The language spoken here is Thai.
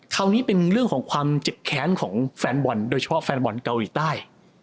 คราวนี้เป็นเรื่องของความเจ็บแค้นของแฟนบอลโดยเฉพาะแฟนบอลเกาหลีใต้